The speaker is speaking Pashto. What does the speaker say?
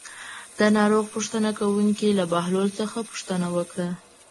د ناروغ پوښتنه کوونکو له بهلول څخه پوښتنه وکړه.